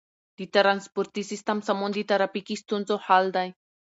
د ترانسپورتي سیستم سمون د ترافیکي ستونزو حل دی.